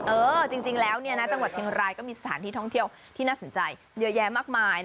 เออจริงแล้วจังหวัดเชียงรายก็มีสถานที่ท่องเที่ยวที่น่าสนใจเยอะแยะมากมาย